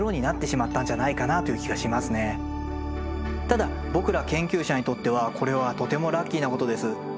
ただ僕ら研究者にとってはこれはとてもラッキーなことです。